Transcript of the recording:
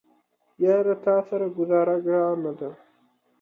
یاره تاسره ګوزاره ګرانه ده